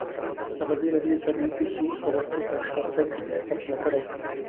ازادي راډیو د طبیعي پېښې پرمختګ او شاتګ پرتله کړی.